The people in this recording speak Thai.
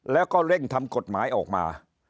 แล้วก็เร่งทำกฎหมายออกมา